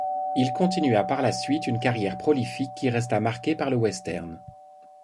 Il continua par la suite une carrière prolifique qui resta marquée par le western.